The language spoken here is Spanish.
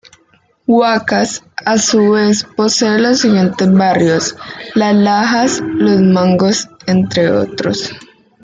Huacas, a su vez, posee los siguientes barrios: Las Lajas, Los Mangos entre otros.